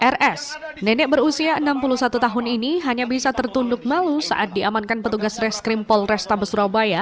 rs nenek berusia enam puluh satu tahun ini hanya bisa tertunduk malu saat diamankan petugas reskrim polrestabes surabaya